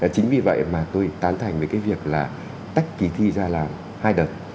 chính vì vậy mà tôi tán thành với cái việc là tách kỳ thi ra là hai đợt